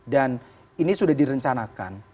dan ini sudah direncanakan